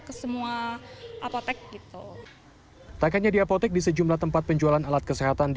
ke semua apotek gitu tak hanya di apotek di sejumlah tempat penjualan alat kesehatan di